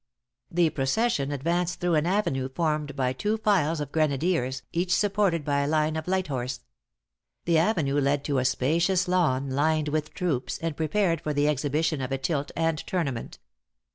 The procession advanced through an avenue formed by two Files of grenadiers, each supported by a line of light horse. The avenue led to a spacious lawn, lined with troops, and prepared for the exhibition of a tilt and tournament.